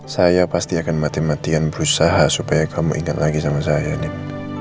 saya pasti akan mati matian berusaha supaya kamu ingat lagi sama saya nih